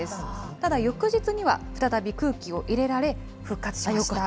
ただ翌日には、再び空気を入れられ、復活しました。